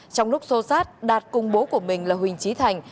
trong lúc xô sát đạt cùng bố của mình là huỳnh trí thành